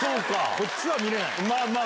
こっちは見れない。